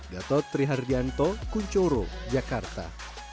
dato' trihardianto kunchoro jakarta